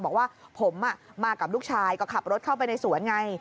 บอกว่าผมมากับลูกชายก็ขับรถเข้าไปในสวนไง